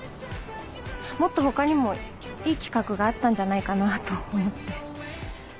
もっと他にもいい企画があったんじゃないかなと思って。